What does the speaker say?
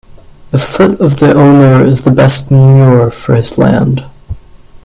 The foot of the owner is the best manure for his land.